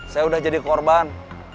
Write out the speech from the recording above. saya udah jadi korban